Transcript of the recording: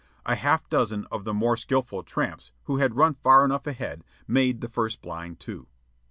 A half dozen of the more skilful tramps, who had run far enough ahead, made the first blind, too.